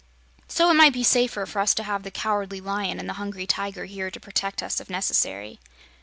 So it might be safer for us to have the Cowardly Lion and the Hungry Tiger here to protect us if necessary."